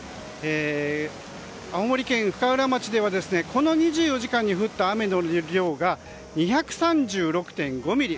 青森県深浦町ではこの２４時間に降った雨の量が２３６．５ミリ。